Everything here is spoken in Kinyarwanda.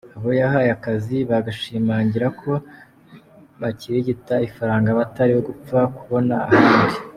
Abo yahaye akazi, bagashimangira ko bakirigita ifaranga batari gupfa kubona ahandi.